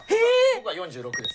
僕は４６です。